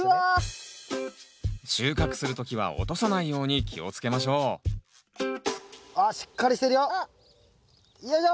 収穫する時は落とさないように気をつけましょうあっしっかりしてるよ。よいしょ！